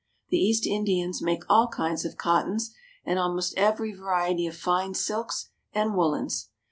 The East Indians make all kinds of cottons, and almost every variety of fine silks and woolens.